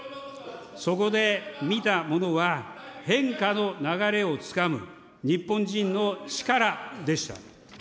そこで見たものは、変化の流れをつかむ日本人の力でした。